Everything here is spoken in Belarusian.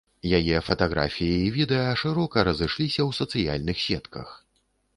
Яе фатаграфіі і відэа шырока разышліся ў сацыяльных сетках.